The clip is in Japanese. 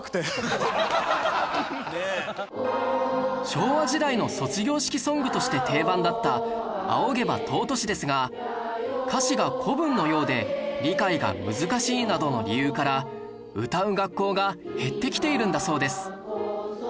昭和時代の卒業式ソングとして定番だった『仰げば尊し』ですが歌詞が古文のようで理解が難しいなどの理由から歌う学校が減ってきているんだそうです